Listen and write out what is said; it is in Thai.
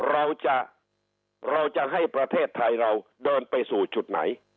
เราจะเราจะให้ประเทศไทยเราเดินไปสู่จุดไหน